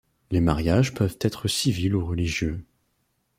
Les mariages peuvent être civils ou religieux.